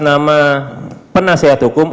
nama penasihat hukum